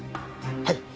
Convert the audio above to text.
はい。